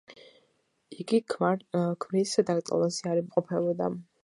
იგი ქმრის დაკრძალვაზე არ იმყოფებოდა.